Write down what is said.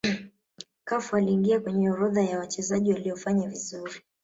cafu aliingia kwenye orodha ya wachezaji waliofanya vizuri